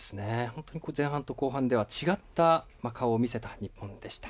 前半と後半では違った顔を見せた日本でした。